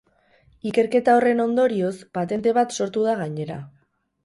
Ikerketa horren ondorioz, patente bat sortu da, gainera.